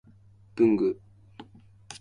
文具